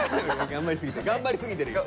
頑張りすぎてる頑張りすぎてるよ。